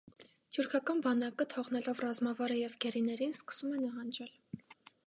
Թյուրքական բանակը, թողնելով ռազամվարը և գերիներին, սկսում է նահանջել։